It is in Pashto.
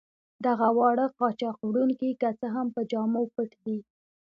دغه واړه قاچاق وړونکي که څه هم په جامو پټ دي.